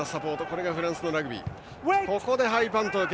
これがフランスのラグビー。